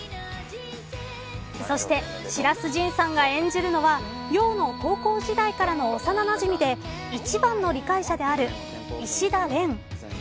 そして白洲迅さんが演じるのは用の高校時代からの幼なじみであり一番の理解者である石田蓮。